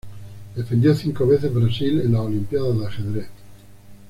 Defendió cinco veces Brasil en las Olimpiadas de Ajedrez.